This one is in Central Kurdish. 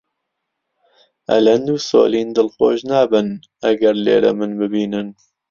ئەلەند و سۆلین دڵخۆش نابن ئەگەر لێرە من ببینن.